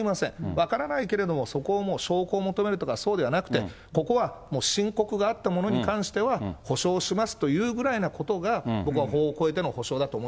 分からないけれども、そこを証拠を求めるとか、そうではなく、ここはもう申告があった者に関しては、補償しますというぐらいなことが、僕は法を超えての補償だと思う。